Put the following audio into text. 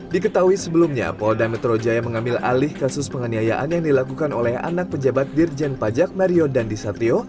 diketahui sebelumnya polda metro jaya mengambil alih kasus penganiayaan yang dilakukan oleh anak pejabat dirjen pajak mario dandisatrio